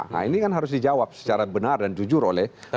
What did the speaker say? nah ini kan harus dijawab secara benar dan jujur oleh